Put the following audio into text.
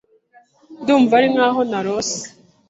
Ndumva ari nk'aho narose.